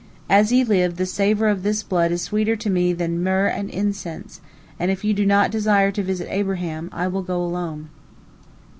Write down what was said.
As ye live, the savor of this blood is sweeter to me than myrrh and incense, and if you do not desire to visit Abraham, I will go alone."